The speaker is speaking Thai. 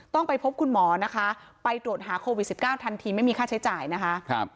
ต้องไปพบคุณหมอนะคะไปตรวจหาโควิด๑๙ทันทีไม่มีค่าใช้จ่ายนะคะ